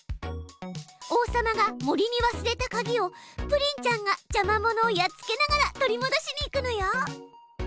王様が森に忘れたかぎをプリンちゃんがじゃま者をやっつけながら取りもどしに行くのよ。